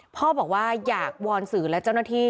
พ่อบอกว่าอยากวอนสื่อและเจ้าหน้าที่